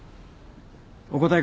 お答え